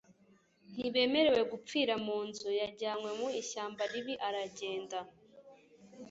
ntibemerewe gupfira mu nzu. yajyanywe mu ishyamba ribi aragenda